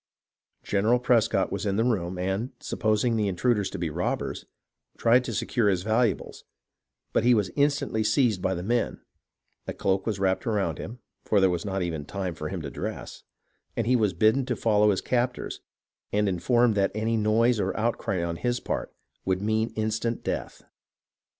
General Prescott was in the room, and, supposing the intruders to be robbers, tried to secure his valuables ; but he was instantly seized by the men, a cloak was wrapped around him (for there was not even time for him to dress), and he was bidden to follow his captors, and informed that any noise or outcry on his part would mean his instant death.